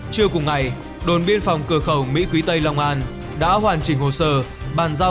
trưa cùng ngày đồn biên phòng cửa khẩu mỹ quý tây long an đã hoàn chỉnh hồ sơ bàn giao